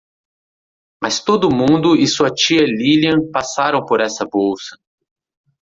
Mas todo mundo e sua tia Lilian passaram por essa bolsa.